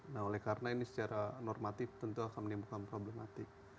nah oleh karena ini secara normatif tentu akan menimbulkan problematik